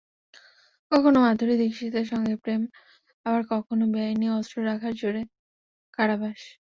কখনো মাধুরী দীক্ষিতের সঙ্গে প্রেম, আবার কখনো বেআইনি অস্ত্র রাখার জেরে কারাবাস।